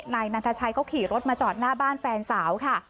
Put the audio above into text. นายนันทชัยเขาขี่รถมาจอดหน้าบ้านแฟนสาวค่ะ